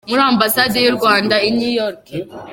Muri Ambasade y’u Rwanda i New York.